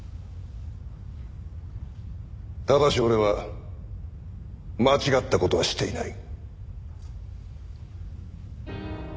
ただし俺は間違った事はしていない。